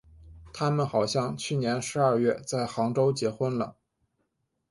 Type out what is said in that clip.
他们好像去年十二月在杭州结婚了。